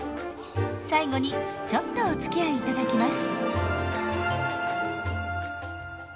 最後にちょっとおつきあい頂きます。